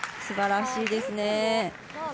すばらしいですね。